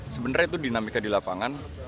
sebenarnya itu dinamika di lapangan